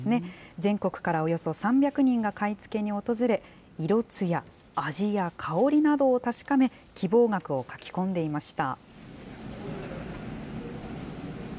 全国からおよそ３００人が買い付けに訪れ、色つや、味や香りなどを確かめ、希望額を書き込んでいました。